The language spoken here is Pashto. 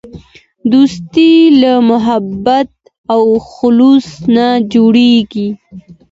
دوستي له محبت او خلوص نه جوړیږي.